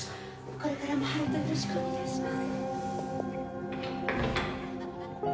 これからも温人をよろしくお願いします